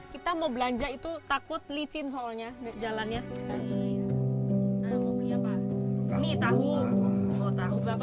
kita mau belanja itu takut licin soalnya jalannya